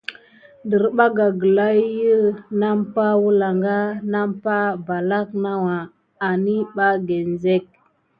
Derbaga gla i nəmpa wəlanga nampa balak nawa awaniɓa ginzek.